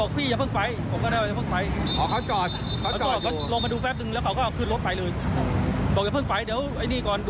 ขอชื่อเบอร์โทรหรือว่าตรวจทะเบียน